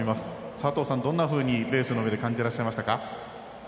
佐藤さん、どんなふうにベースの上で感じてましたか？